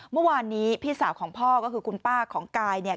เมื่อวานนี้พี่สาวของพ่อก็คือคุณป้าของกายเนี่ย